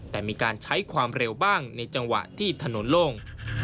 แต่มีการใช้ความเร็วบ้างในจังหวะที่ถนนโล่ง